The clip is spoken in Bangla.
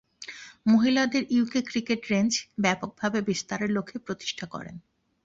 মহিলাদের ইউকে ক্রিকেট রেঞ্জ ব্যাপকভাবে বিস্তারের লক্ষ্যে প্রতিষ্ঠা করেন।